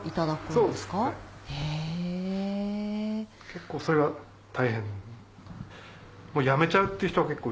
結構それが大変。